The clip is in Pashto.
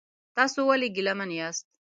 تاسو ولې ګیلمن یاست؟